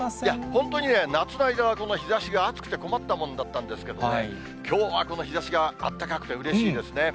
本当にね、夏の間はこの日ざしが暑くて困ったもんだったんですけどね、きょうはこの日ざしがあったかくてうれしいですね。